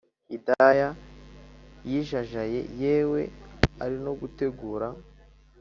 hidaya yijajaye yewe ari no gutegura